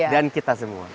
dan kita semua